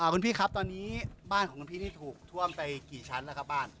คุณพี่ครับตอนนี้บ้านของคุณพี่นี่ถูกท่วมไปกี่ชั้นแล้วครับบ้าน